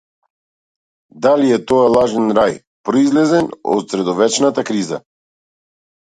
Дали е тоа лажен рај, произлезен од средовечната криза?